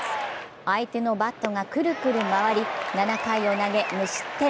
相手のバットがくるくる回り、７回を終わり無失点。